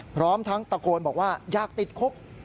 พร้อมทั้งตะโกนบอกว่าอยากติดคุก